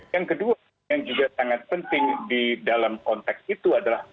yang kedua yang juga sangat penting di dalam konteks itu adalah